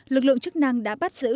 lực lượng chức năng đã bắt giữ